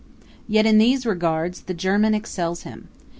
Yet in these regards the German excels him.